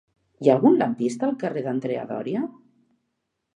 Hi ha algun lampista al carrer d'Andrea Doria?